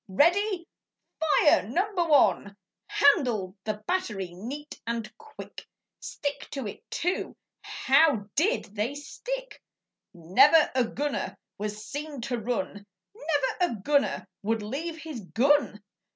Ready! Fire number one!' Handled the battery neat and quick! Stick to it, too! How DID they stick! Never a gunner was seen to run! Never a gunner would leave his gun!